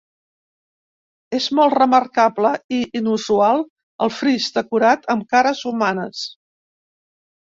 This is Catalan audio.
És molt remarcable i inusual el fris decorat amb cares humanes.